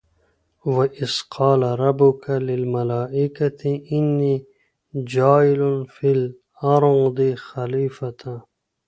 وَإِذْ قَالَ رَبُّكَ لِلْمَلٰٓئِكَةِ إِنِّى جَاعِلٌ فِى الْأَرْضِ خَلِيفَةً ۖ